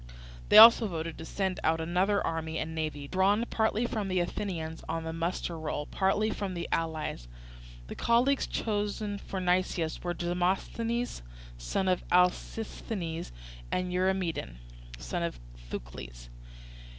They also voted to send out another army and navy, drawn partly from the Athenians on the muster roll, partly from the allies. The colleagues chosen for Nicias were Demosthenes, son of Alcisthenes, and Eurymedon, son of Thucles.